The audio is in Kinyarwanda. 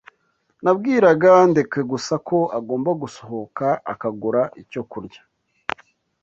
Nabwiraga Ndekwe gusa ko agomba gusohoka akagura icyo kurya.